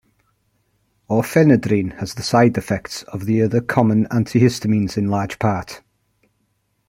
Orphenadrine has the side effects of the other common antihistamines in large part.